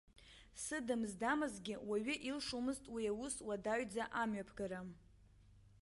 Сыдам здамызгьы уаҩы илшомызт уи аус уадаҩӡа амҩаԥгара.